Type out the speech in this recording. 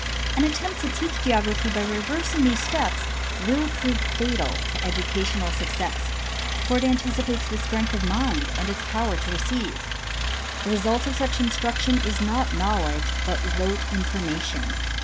An attempt to teach geography by reversing these steps will prove fatal to educational success, for it anticipates the strength of the mind and its power to receive. The result of such instruction is not knowledge but rote information.